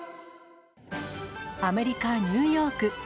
アメリカ・ニューヨーク。